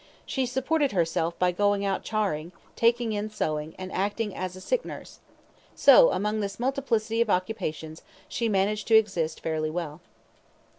She supported herself by going out charing, taking in sewing, and acting as a sick nurse, So, among this multiplicity of occupations, she managed to exist fairly well.